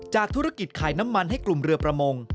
ธุรกิจขายน้ำมันให้กลุ่มเรือประมง